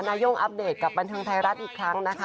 นาย่งอัปเดตกับบันเทิงไทยรัฐอีกครั้งนะคะ